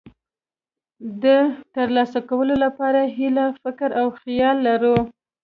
د ترلاسه کولو لپاره یې هیله، فکر او خیال ولرئ.